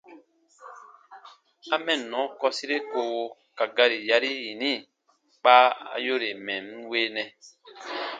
A « mɛnnɔ » kɔsire koowo ka gari yari yini kpa a yore mɛ̀ n weenɛ.